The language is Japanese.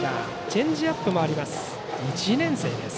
チェンジアップもあります。